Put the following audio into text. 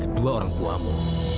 kedua orang tuamu